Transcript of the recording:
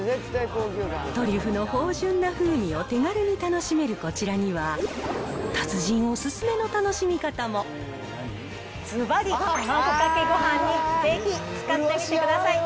トリュフの芳じゅんな風味を手軽に楽しめるこちらは達人お勧ずばり、卵かけごはんにぜひ使ってみてください。